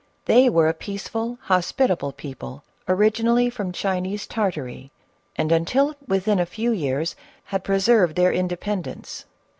They were a peace ful, hospitable people, originally from Chinese Tartary, and until within a few years had preserved their inde pendence.